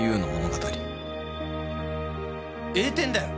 栄転だよ。